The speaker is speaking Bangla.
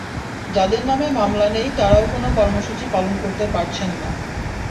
যাঁদের নামে মামলা নেই তাঁরাও কোনো কর্মসূচি পালন করতে পারছেন না।